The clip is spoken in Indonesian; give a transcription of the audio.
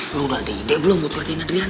lo udah ada ide belum buat kerjain adriana